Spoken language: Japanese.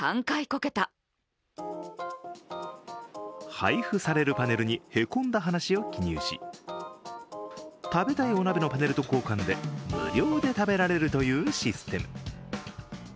配布されるパネルに凹んだ話を記入し食べたいお鍋のパネルと交換で無料で食べられるというシステム。